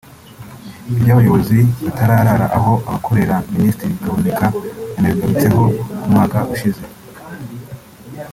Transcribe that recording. Iby’abayobozi batarara aho abakorera Minisitiri Kaboneka yanabigarutseho umwaka ushize